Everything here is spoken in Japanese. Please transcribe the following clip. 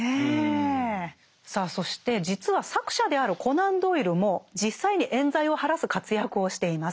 さあそして実は作者であるコナン・ドイルも実際に冤罪を晴らす活躍をしています。